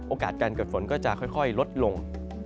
โอกาสการเกิดฝนก็จะค่อยลดลง